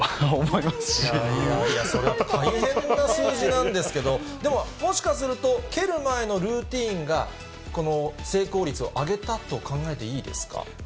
いやいや、それは大変な数字なんですけど、でも、もしかすると、蹴る前のルーティンがこの成功率を上げたと考えていいですか？